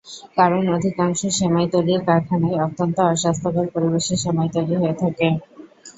কারণ অধিকাংশ সেমাই তৈরির কারখানায় অত্যন্ত অস্বাস্থ্যকর পরিবেশে সেমাই তৈরি হয়ে থাকে।